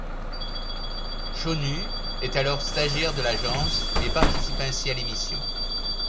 Shownu est alors stagiaire de l'agence et participe ainsi à l'émission.